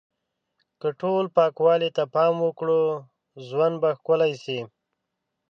که ټول پاکوالی ته پام وکړو، ژوند به ښکلی شي.